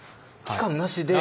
期間なしで。